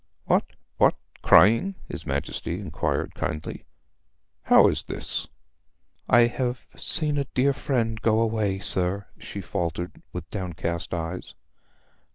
'What, what, crying?' his Majesty inquired kindly. 'How is this!' 'I have seen a dear friend go away, sir,' she faltered, with downcast eyes.